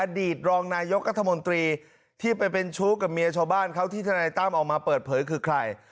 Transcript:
อดีตรองนายกรัฐมนตรีที่ไปเป็นชู้กับเมียชาวบ้านเขาที่ทนายตั้มออกมาเปิดเผยคือใคร